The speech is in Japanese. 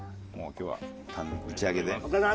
今日は打ち上げで。